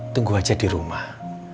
tunggu aja di rumah